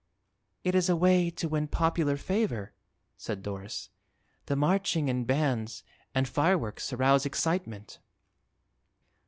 "It is a way to win popular favor," said Doris. "The marching and bands and fireworks arouse excitement."